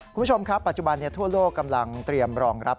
คุณผู้ชมครับปัจจุบันทั่วโลกกำลังเตรียมรองรับ